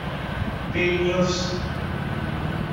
ویلنیوس